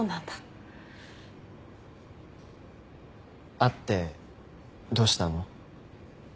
会ってどうしたの？